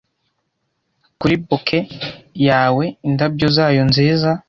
kuri bouquet yawe indabyo zayo nziza